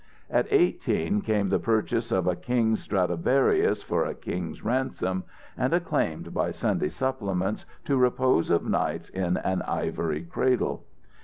At eighteen, came the purchase of a king's Stradivarius for a king's ransom, and acclaimed by Sunday supplements to repose of nights in an ivory cradle.